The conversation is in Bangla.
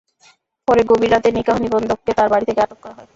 পরে গভীর রাতে নিকাহ নিবন্ধককে তাঁর বাড়ি থেকে আটক করা হয়।